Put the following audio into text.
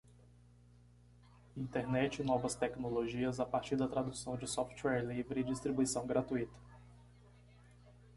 Internet e novas tecnologias, a partir da tradução de software livre e distribuição gratuita.